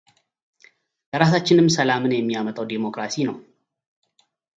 ለራሳችንም ሠላምን የሚያመጣው ዴሞክራሲ ነው።